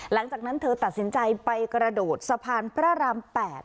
หลังจากนั้นเธอตัดสินใจไปกระโดดสะพานพระราม๘